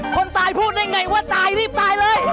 คนตายพูดได้ไงว่าตายรีบตายเลย